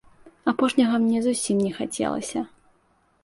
Апошняга мне зусім не хацелася.